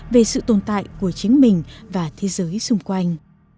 về sự tồn tại của chính mình và thế giới xung quanh